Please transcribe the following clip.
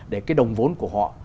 để cái đồng vốn của họ